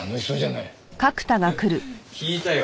聞いたよ。